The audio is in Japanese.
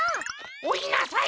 おいなさい！